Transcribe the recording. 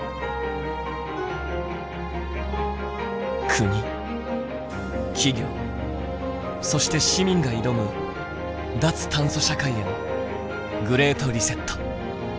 国企業そして市民が挑む脱炭素社会への「グレート・リセット」。